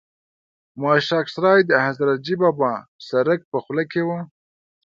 ماشک سرای د حضرتجي بابا سرک په خوله کې و.